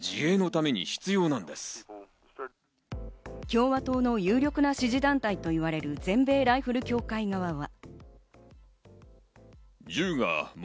共和党の有力な支持団体といわれる全米ライフル協会側は。